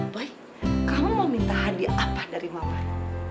boy kamu mau minta hadiah apa dari mamanya